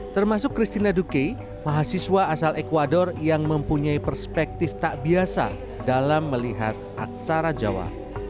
termasuk christina duke mahasiswa asal ecuador yang mempunyai perspektif tak biasa dalam melihat aksara jawa